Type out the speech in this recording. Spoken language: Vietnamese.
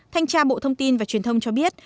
thanh tra bộ thông tin và truyền thông cho biết